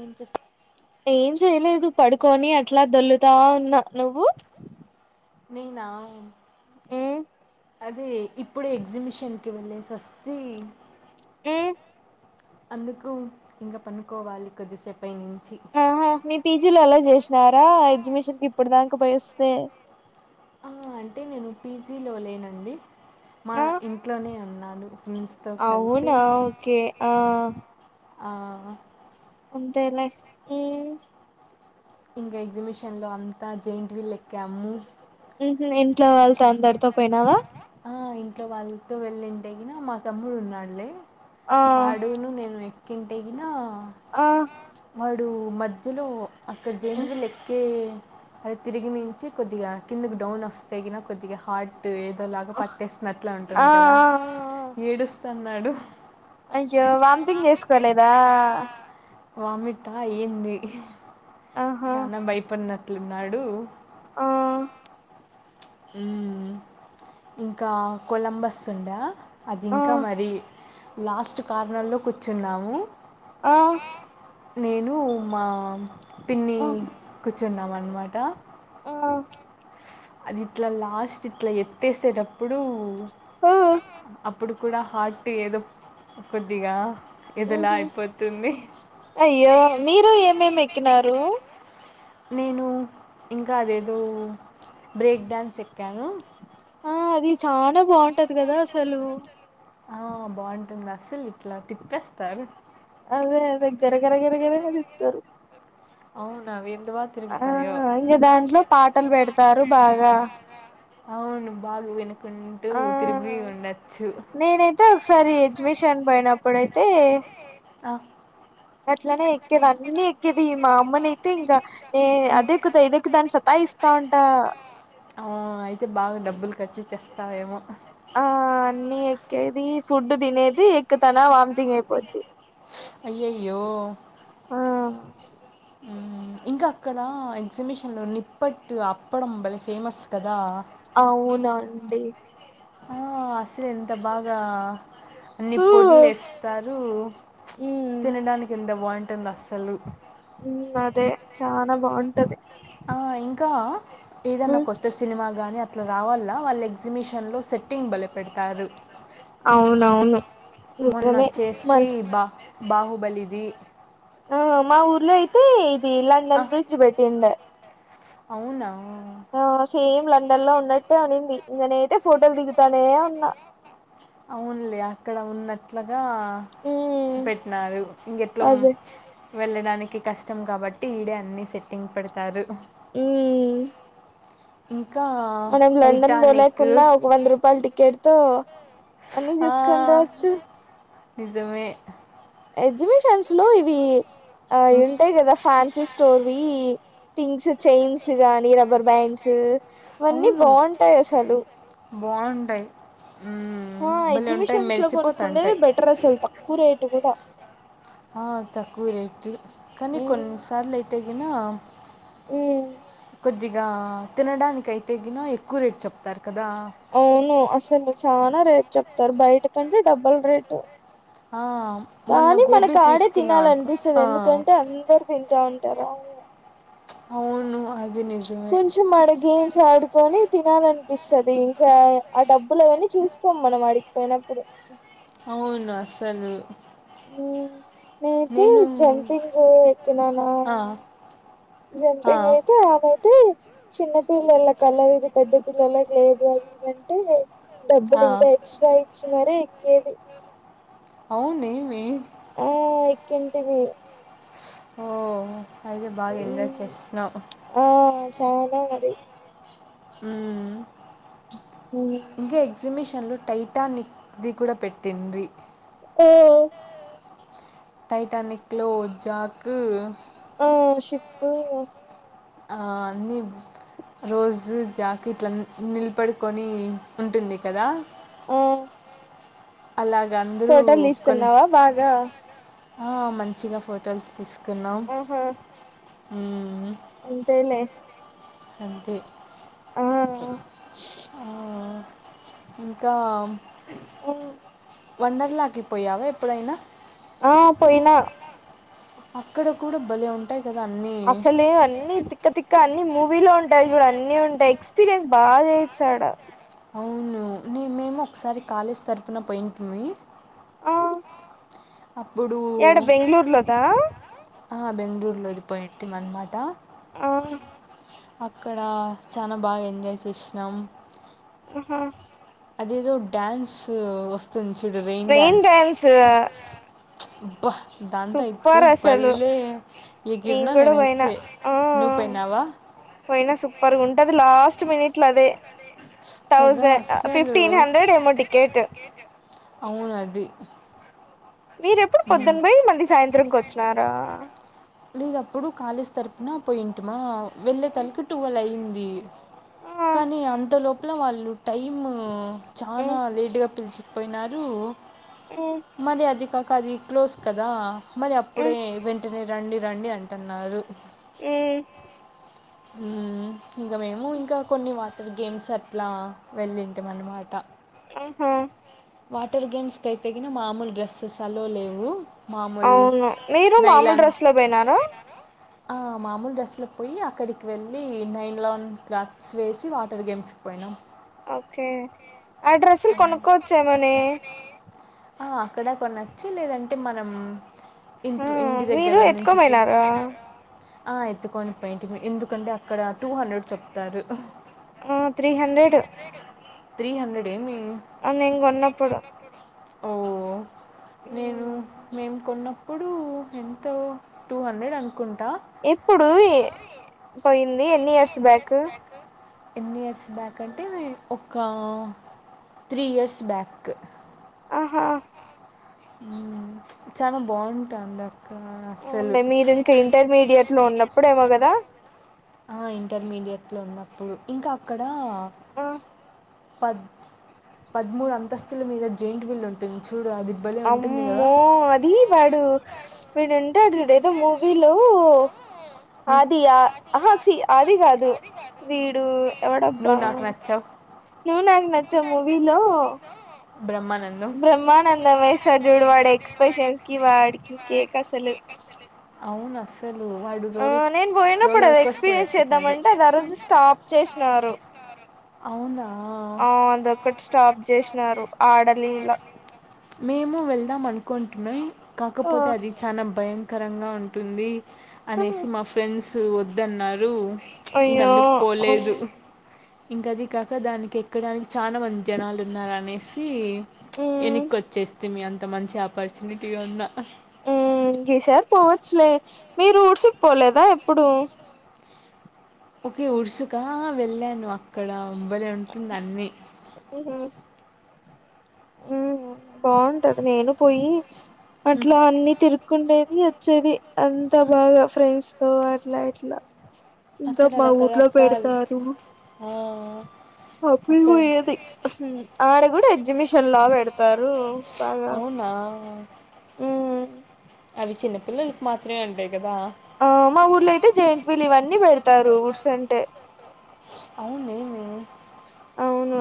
ఏం చేస్తా ఏం చేయలేదు పడుకొని అట్లా దొల్లుతా ఉన్నా నువ్వు. నీ నావ్. మ్మ్ అదే ఇప్పుడు ఎగ్జిష్యన్ కి వెళ్లేసి వస్తే. ఉమ్ అందుకు, ఇంకా పండుకోవాలి కొద్దిసేపు. ఆహా మీ పీజీలో అలవ్ చేసి. న్నారా ఎగ్జిమిషన్ కి ఇప్పుడు దాక పోయి వస్తే. ఆ, అంటే నేను పీజీలో లేనండి, మా ఆ ఇంట్లోనే అన్నాను. అవునా ఓకే ఆ. ఆ కుంటే ఏమైద్ది. ఇంకా ఎగ్జిబిషన్ లో అంతా జాయింట్ వీలు ఎక్కాము ఉహు ఇంట్లో వాళ్ళతో అందరితో పోయినావా ఆ ఇంట్లో వాళ్ళతో వెళ్ళింటెగిన మా తమ్ముడు ఉన్నాడు లే ఆ వాడును నేను ఎక్కింటేగిన ఆ వాడు మధ్యలో అక్కడ జెండువి లెక్కే. అది తిరిగి నుంచి కొద్దిగా కిందకి డౌన్ వస్తే నిగ కొద్దిగా హార్ట్ ఏదో. ఆ పట్టేసినట్ల ఆ ఉంటుంది. కదా ఆ ఏడుస్తున్నాడు. అయ్యో వాంటింగ్ చేసుకోలేదా. వామిటా ఏంది ఆహా చాలా భయపడినట్లున్నాడు. ఆ హ్మ్, ఇంకా కొలంబస్ ఉండ. అది ఆ ఇంకా మరి లాస్ట్ కారణంలో కూర్చున్నాము. ఆ నేను మా పిన్ని కూర్చున్నాం అనమాట. ఆ అదిట్లా లాస్ట్ ఇట్లా ఎత్తేసేటప్పుడు. ఆ అప్పు. ఇప్పుడు కూడా హార్ట్ ఏదో కొద్దిగా. ఊ ఏదోలా హు, అయిపోతుంది. అయ్యో మీరు ఏమేం ఎక్కినారు. నేను ఇంకా అదేదో బ్రేక్ డాన్స్ ఎక్కాను. ఆ అది చానా బాగుంటది. కదా అసలు. అసలు ఇట్లా తిప్పేస్తారు. అదే అదే గర గర గర గర అది తిప్పుతారు. అవునావ అవి. ఆ అయ్యే దాంట్లో పాటలు పెడతారు బాగా. అవును బాగు వినుకుంటూ తిరిగి ఉండచ్చు. అయితే ఒకసారి ఎగ్జిబిషన్ పోయినప్పుడైతే. ఆ అట్లనే ఎక్కేది అన్ని ఎక్కేది ఈ మా అమ్మనయితే ఇంకా. ఏ అదెక్కుతా ఇది ఎక్కుతాని సతాయి ఇస్తా ఉంట. ఆ అయితే బాగా డబ్బులు ఖర్చు చేస్తావేమో. ఆ అన్ని ఎక్కేది ఫుడ్ తినేది ఎక్కుతన వామ్థంగ్ అయిపోద్ది. అయ్యయ్యో. ఆ ఇంకా అక్కడ ఎగ్జిబిషన్లో నిప్పట్ అప్పడంబలి ఫేమస్ కదా. అవునండి. ఆ అసలు ఎంత బాగా అన్ని ఊ పోడ్లు వేస్తారు. తినడానికి ఎంత బాగుంటుందో అసలు. ఉమ్మ్ అదే చానా బాగుంటది. ఆ ఇంకా ఏదన్నా మ్ కొత్త సినిమా గాని. అట్లా రావాల్నా వాళ్ళు ఎగ్జిబిషన్ లో సెట్టింగ్ భలే పెడతారు. అవునవును మొన్న నిజమే మన్ వచ్చేసి బా. బాహుబలిది. ఆ మా ఊర్లో అయితే ఇది లండన్ ఆహ్, బ్రిడ్జ్ పెట్టి ఉండే. అవునా ఆ సేమ్ లండన్ లో ఉన్నట్టు అనింది ఇంగ నేనైతే ఫోటోలు దిగుతానే ఉన్నా అవున్లే అక్కడ ఉన్నట్ల ఆ మ్మ్ పెట్టినారు ఇంగెట్లా అదే వెళ్ళడానికి కష్టం కాబట్టి ఈడే అన్ని సెట్టింగ్ పెడతారు ఈ మ్మ్ [inaudible] ఇంకా మనం లండన్ టైటానిక్కు పోలేకున్నా ఒక వంద రూపాయల టికెట్ తో అన్ని ఆ చూసుకొని రావచ్చు నిజమే ఎగ్జిబిషన్స్ లో ఇవి, ఆ ఇంకా ఉంటాయి కదా ఫ్యాన్సీ స్టోరీ వి. ఈ థింగ్స్ చైన్స్ గానీ రబ్బర్ బ్యాండ్స్ అవన్నీ అవును బాగుంటాయి అసలు బాగుంటాయి మ్మ్ ఆ భలే ఉంటాయి ఎగ్జిబిషన్స్ లో కొనుక్కుండేది మెరిసిపోతాంటాయి బెటర్ అసలు తక్కువ రేటు గూడా ఆ తక్కువ రేట్ కానీ ఉమ్ కొన్నిసార్లు అయితే గిన ఉమ్ కొద్దిగా తినడానికి అయితే గిన ఎక్కువ రేట్ చెప్తారు కదా అవును అసలు చానా రేట్ చెప్తారు బయట కంటే డబ్బుల్ రేటు ఆ మొన్న కానీ గోబీ మనకు ఆడే తీసుకున్నా అనుకో తినాలనిపిస్తది ఆ, ఎందుకంటే అందరు తింటా ఉంటారా అవును అది నిజమే కొంచెం ఆడగేమ్స్ ఆడుకొని తినాలనిపిస్తది ఇంకా ఆ డబ్బులు అవన్నీ చూసుకోము మనం ఆడికిపోయినప్పుడు అవును అసలు ఉమ్ నేతే నేను జంపింగ్ ఎక్కినాను ఆ, ఆ, జంపింగ్ అయితే ఆ పోతే చిన్న పిల్లల కల్ల ఉంది పెద్ద పిల్లలకి లేదు అది ఇది అంటే డబ్బులు ఆ. ఇంకా ఎక్స్ స్ర్టా ఇచ్చి మరీ ఎక్కేది అవునే వే ఆ ఎక్కింటిమి ఓ అయితే బాగా ఎంజాయ్ హ్మ్ చేసినావ్ ఆ చాలా మరి ఉమ్ హ్మ్ ఇంకా ఎగ్జిబిషన్ లో టైటానిక్ ది గూడా పెట్టిండ్రి ఉమ్ టైటానిక్ లో జాక్ ఆ షిప్పు ఆ అన్ని రోజు జాక్ ఇట్ల నిలబడుకొని ఉంటుంది కదా ఆ అలాగ అందరూ ఫోటోలు ఒక్క తీసుకున్నావా బాగా ఆ మంచిగా ఫోటోస్ తీసుకున్నాం ఆహా అంతేలే అంతే ఆ ఆ, ఇంకా ఆ వండర్లాకి పోయావా ఎప్పుడైనా ఆ పోయినా అక్కడ కూడా భలే ఉంటాయి కదా అన్నీ అసలే అన్నీ తిక్కతిక్క ఇంకా అన్ని మూవీలో ఉంటాయి జూడు అన్ని ఉంటాయి ఎక్స్పీరియన్స్ బాగా చేయొచ్చాడ అవును న మేము ఒకసారి కాలేజ్ తరపున పోయింటిమి అప్పుడు యేడ బెంగుళూర్లోదా ఆ బెంగళూరులోది పోయింటిమి అన్నమాట ఆ అక్కడ చానా బాగా ఎంజాయ్ చేసినాం హా అదేదో డ్యాన్స్ వస్తు రెయిన్ డ్యాన్స్ వహ్ దాంతో అయితే సూపర్ అసలు బల్ళె నేను ఎగిర్నా కూడా పోయినా నేనైతే ఆ నువ్ పోయినవా పోయినా సూపర్గా ఉంటది లాస్ట్ మినిట్లదే కదా థౌసే ఆ అస్సలు ఫిఫ్టీన్ హండ్రెడేమో టికెట్ అవును అది మీరెప్పుడు ఉమ్, పొద్దున పోై మళ్ళి సాయంత్రంకి వచ్చినారా లేదు అప్పుడు కాలేజ్ తరుపున పోయింటిమా వెళ్ళే తలకి టువెల్ అయ్యంది ఆహా కానీ అంత లోపల వాళ్ళు టైమ్ చానా లేట్ గా పిలిచ్ పోయినారు మరి అది కాక అది క్లోజ్ కదా మరి అప్పుడే వెంటనే రండి రండి అంటున్నారు మ్ హుమ్మ్ ఇంకా మేము ఇంకా కొన్ని వాటర్ గేమ్స్ అట్లా వెళ్ళింటిఅనమాట ఆహా వాటర్ గేమ్స్కి అయితే గిన మామూలు డ్రెస్సెస్ అలో లేవు మామూలు అవును మీరు మామూలు నైలాన్ డ్రస్ లో పోయినారా ఆ మామూలు డ్రస్సులకు పోయ్యి అక్కడి వెళ్ళి నైన్ లోన్ క్లాక్స్ వేసి వాటర్ గేమ్స్ కి పోయినాం ఓకే ఆ డ్రస్సులు కొనుక్కోవచ్చు ఏమోని ఆ అక్కడే కొనొచ్చు లేదంటే మనం ఆ ఇంట్ ఇంటి మీరు దగ్గర నుంచి తీస్ ఎత్తుకోపోయినారా ఆ ఎత్తుకోని పెయింటిమీ ఎందుకంటే అక్కడ టూ హండ్రెడ్ చెప్తారు ఆ త్రీ హండ్రెడ్ త్రీ హండ్రెడ్ ఏమీ అ నిను కొన్నప్పుడు ఓ నేను మ్. మేము కొన్నప్పుడు ఎంతో టూ హండ్రెడ్ అం ఎప్పుడు పోయింది ఎన్ని ఇయర్స్ బ్యాక్ ఎన్ని ఇయర్స్ బ్యాక్ అంటే ఏ ఒక త్రీ ఇయర్స్ బ్యాక్ ఆహా చాలా బాగుంటాండే అవున్లే మీరు ఇంకా ఇంటర్మీడియట్ లో ఉన్నప్పుడు ఏమో కదా ఆ ఇంటర్మీడియట్ లో ఉన్నప్పుడు ఇంకా అక్కడ ఆ పద్ పద్మూడు అంతస్తుల మీద జెయింట్ వీల్లు ఉంటుంది చు అమ్మో అది వాడు వీడుంటాడు ఏదో మూవీలో హ్మ్. ఆది ఆ ఆహా సి ఆది కాదు వీడు ఎవడబ్బా నువ్వు నాకు నచ్చావు నువ్ నాకు నచ్చావు మూవీలో బ్రహ్మానందం బ్రహ్మానందం వేస్తాడు చుడు వాడి ఎక్స్ప్రెషన్స్ కి వాడికి కేక అసలు అవును అస్సల్ ఆ నేను పోయినప్పుడు అది కోస్టర్ ఎక్స్పీరియన్స్ ఎక్కుతాడు చేద్దామంటే అది ఆ రోజు స్టాప్ చేసినారు ఆ అదొక్కటి స్టాప్ చేసినారు ఆడలిలా మేము వెళ్దాం అనుకుంటిమి కాకపోతే అది చానా భయంకరంగా ఉంటుంది అనేసి మా ఫ్రెండ్స్ వద్దన్నారు ఇంక అయ్యో అందుకు పోలేదు ఇంకా అది కాక దానికి ఎక్కడానికి చానా మంది జనాలు ఉన్నారు అనేసి ఎని మ్మ్ వచ్చేస్థిమి అంత మంచి ఆపర్చునిటీగా ఉన్న ఉ ఈసారి పోవచ్చులే మీరు ఉడ్స్కా పోలేదా ఎప్పుడు ఉడ్స్కా వెళ్ళాను అక్కడ బలే ఉంటుంది అన్నీ ఉ బాగుంటది నేను పోయి హ్మ్. అట్లా అన్ని తిరుకుండేది వచ్చేది అంతా బాగా ఫ్రెండ్స్ తో అట్లా ఇట్లా ఇంతా అక్కడ మా ఊట్లో రకరకాల్ పెడతారు ఆ అప్పుడే అక్కడ పోయేది హు ఆడ కూడా ఎగ్జిమిషన్ లాగ పెడతారు రు బాగా అవునా [inaudible] ఉహు అవి చిన్నపిల్లకి మాత్రమే ఉంటాయి కదా ఆ మా ఊర్లో అయితే జెయంట్ వీల్ ఇవన్నీ పెడతారు ఉడ్స్ అంటే అవును ఏమీ అవును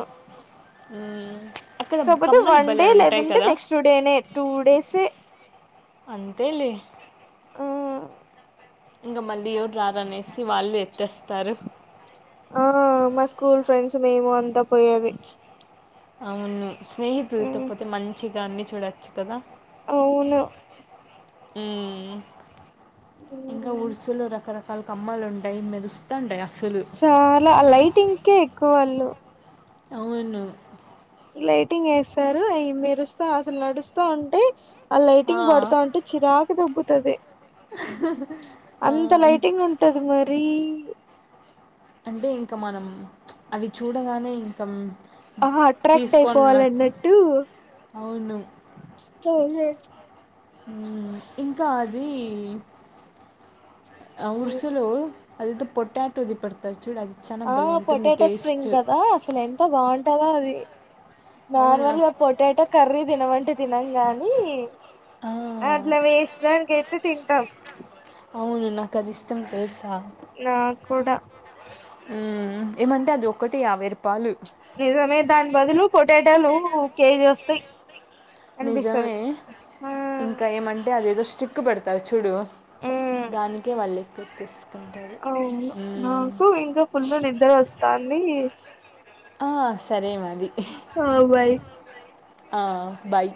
ఉహు కాకపోతే వన్ డే లేదంటే నెక్స్ట్ డేనే టూ డేసే అంతేలే ఆ ఇంకా మళ్ళీ ఎవరు రారు అనేసి వాళ్ళు ఎత్తేస్తారు ఆ మా స్కూల్ ఫ్రెండ్స్ మేము అంతా పోయేది అవును స్నేహితులతో ఉమ్ పోతే మంచిగా అన్ని చూడొచ్చు కదా అవును హు ఇంకా ఉమ్ ఉడ్సులో రకరకాల అసలు కమ్మలు ఉంటాయి మెరుస్తా అంటాయి చాలా లైటింగ్ కే ఎక్కువ వాళ్ళు అవును లైటింగ్ వేస్తారు అవి మెరుస్తా అసలు నడుస్త ఉంటే ఆ లైటింగ్ పడతావుంటే చిరాకు దెబ్బతది ఆ, అంత ఇం- లైటింగ్ ఉంటది మరి అంటే ఇంక మనం అవి చూడగానే ఇంకా ఆహా అట్రాక్ట్ తీసుకొని అయిపోవాల లా- అన్నట్టు అవును చోలేసి ఇంకా అది ఉరుసులో అది ఏదో పొటాటో ది పడతారూ ఆ పొటాటో స్ప్రింగ్ కదా అసలు ఎంతో బాగుంటదో అది అవును నార్మల్గా నాకు పొటాటో కర్రీ తినమంటే తినం గాని ఆ, అట్లా వేసడానికియితే తింటాం కది ఇష్టం తెలుసా నాక్కూడా హు ఏమంటే అది ఒకటి యాభై రూపా నిజమే దాని బదులు పొటాటాలు కేజీ వస్తాయి అనిపిస్తది నిజమే ఆ ఇంకా ఏమంటే అదేదో చిక్కు పెడతారు చూడు దానికే వాళ్ళు ఎక్కువ తీసు అవును నాకు ఇంకా ఫుల్ ని నిద్ర వస్తుంది ఆ సరే మరి అ బాయ్ ఆ బాయ్